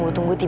kan tanya sih